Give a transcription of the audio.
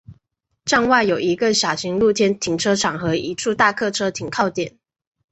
站外有一个小型露天停车场和一处大客车停靠点。